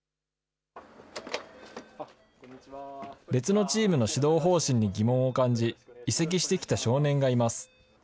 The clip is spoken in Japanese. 別のチームの指導方針に疑問を感じ、移籍してきた少年がいます。